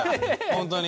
本当に。